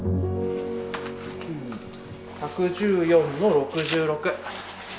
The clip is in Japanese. １１４の６６。